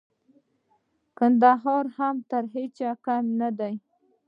کندهار هم تر هيچا کم نه دئ.